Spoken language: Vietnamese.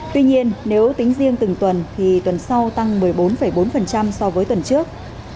tuy nhiên nếu tính riêng từng tuần thì tuần sau tăng một mươi bốn bốn so với tuần trước